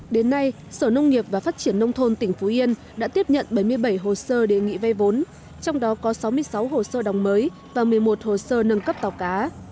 đến nay sở nông nghiệp và phát triển nông thôn tỉnh phú yên đã tiếp nhận bảy mươi bảy hồ sơ đề nghị vay vốn trong đó có sáu mươi sáu hồ sơ đồng mới và một mươi một hồ sơ nâng cấp tàu cá